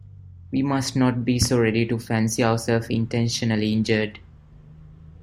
We must not be so ready to fancy ourselves intentionally injured.